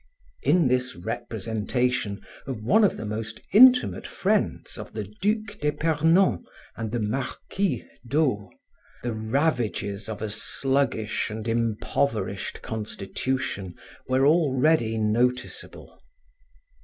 In this representation of one of the most intimate friends of the Duc d'Epernon and the Marquis d'O, the ravages of a sluggish and impoverished constitution were already noticeable.